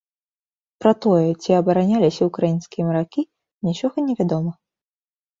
Пра тое, ці абараняліся ўкраінскія маракі, нічога невядома.